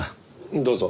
どうぞ。